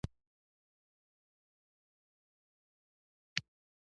محاورې په دوو معنو کښې وګورئ او ورسره هم